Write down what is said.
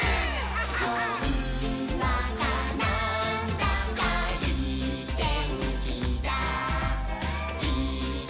「ほんわかなんだかいいてんきだいいことありそうだ！」